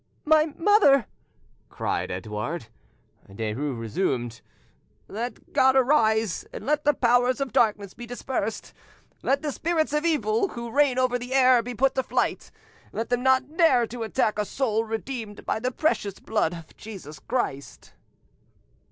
... My mother!" cried Edouard. Derues resumed— "Let God arise, and let the Powers of Darkness be dispersed! let the Spirits of Evil, who reign over the air, be put to flight; let them not dare to attack a soul redeemed by the precious blood of Jesus Christ."